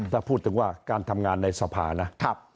ถ้าพูดถึงว่าการทำงานในสภานะ